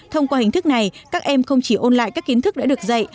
thông qua hình thức này các em không chỉ ôn lại các kiến thức đã được dạy